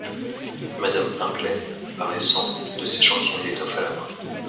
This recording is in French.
Madame Pinglet , paraissant, deux échantillons d’étoffes à la main.